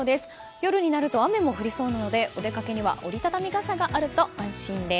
夜になると雨も降りそうなのでお出かけには折り畳み傘があると安心です。